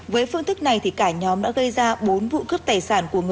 với phương thức này thì cả nhóm đã gây ra bốn vụ cướp tài sản